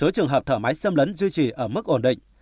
trường hợp thở máy xâm lấn duy trì ở mức ổn định